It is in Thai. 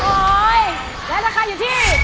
โอ้โหและราคาอยู่ที่